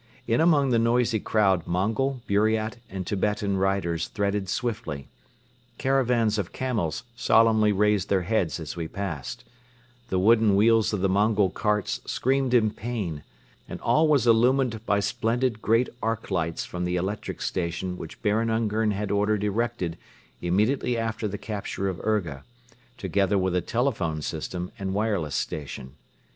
In among the noisy crowd Mongol, Buriat and Tibetan riders threaded swiftly; caravans of camels solemnly raised their heads as we passed; the wooden wheels of the Mongol carts screamed in pain; and all was illumined by splendid great arc lights from the electric station which Baron Ungern had ordered erected immediately after the capture of Urga, together with a telephone system and wireless station.